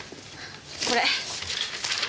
これ！